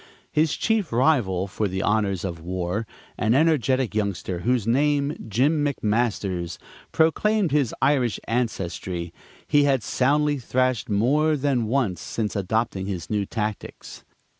His chief rival for the honors of war, an energetic youngster, whose name, Jim McMasters, proclaimed his Irish ancestry, he had soundly thrashed more than once since adopting his new tactics.